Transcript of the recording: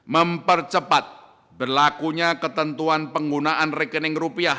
mempercepat berlakunya ketentuan penggunaan rekening rupiah